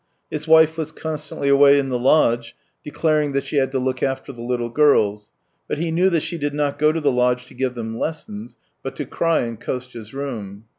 His wife was constantly away in the lodge declaring that she had to look after the little girls, but he knew that she did not go to the lodge to give them lessons but to cry in Kostya's room.